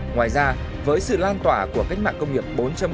ngoài ra với sự lan tỏa của cách mạng công nghiệp bốn